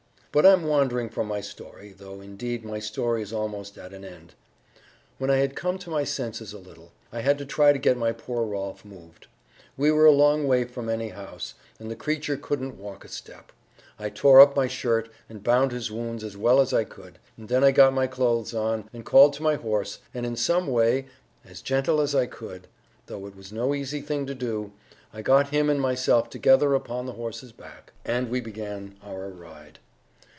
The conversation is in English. But I'm wandering from my story, though, indeed, my story is almost at an end. "When I had come to my senses a little, I had to try to get my poor Rolf moved. We were a long way from any house, and the creature couldn't walk a step. I tore up my shirt, and bound his wounds as well as I could, and then I got my clothes on, and called to my horse, and in some way, as gently as I could, though it was no easy thing to do it, I got him and myself together upon the horse's back, and we began our ride.